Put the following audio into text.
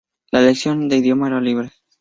La elección de idioma era libre.